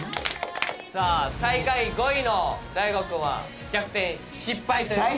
さあ最下位５位の大吾くんは逆転失敗という事で。